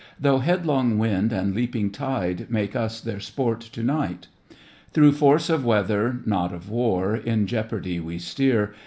Though headlong wind and leaping tide Make us their sport to night. Through force of weather, not of war ^ In jeopardy we steer.